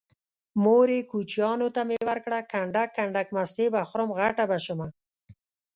مورې کوچيانو ته مې ورکړه کنډک کنډک مستې به خورم غټه به شمه